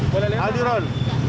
bapak di ron